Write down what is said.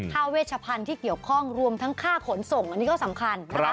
เวชพันธุ์ที่เกี่ยวข้องรวมทั้งค่าขนส่งอันนี้ก็สำคัญนะคะ